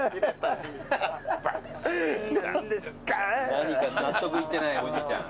何か納得いってないおじいちゃん。